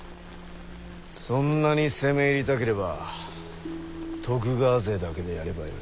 そんなに攻め入りたければ徳川勢だけでやればよい。